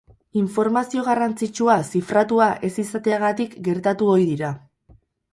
Informazio garrantzitsua zifratuta ez izateagatik gertatu ohi dira.